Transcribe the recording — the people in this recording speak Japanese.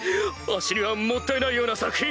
あっしにはもったいないような作品。